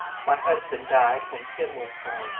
My husband died when Tim was born.